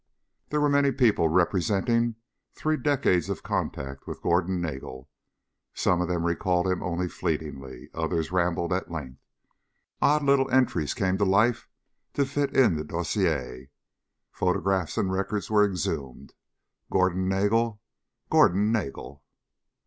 There were many people representing three decades of contact with Gordon Nagel. Some of them recalled him only fleetingly. Others rambled at length. Odd little entries came to life to fit into the dossier. Photographs and records were exhumed. Gordon Nagel ... Gordon Nagel....